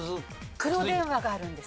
黒電話があるんです。